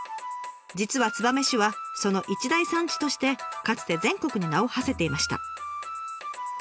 実は燕市はその一大産地としてかつて全国に名をはせていました。